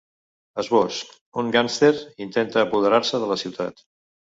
Esbós: Un gàngster intenta apoderar-se de la ciutat.